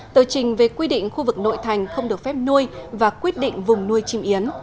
tờ trình về quy định khu vực nội thành không được phép nuôi và quyết định vùng nuôi chim yến